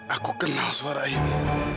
aku kenal suara ini